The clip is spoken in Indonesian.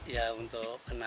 ya untuk kenang kenang